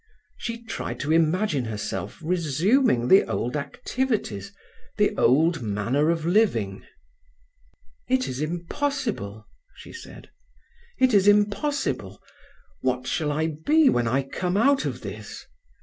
She tried to imagine herself resuming the old activities, the old manner of living. "It is impossible," she said; "it is impossible! What shall I be when I come out of this?